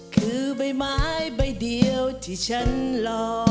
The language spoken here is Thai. คือใบไม้ใบเดียวที่ฉันรอ